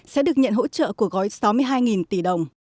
sẽ được nhận hỗ trợ của gói sáu mươi hai tỷ đồng